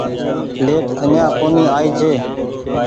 ليٽ اڃآن ڪونيٚ آئي ڇي